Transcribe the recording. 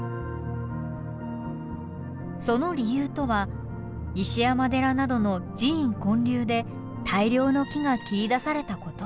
その理由とは石山寺などの寺院建立で大量の木が切り出されたこと。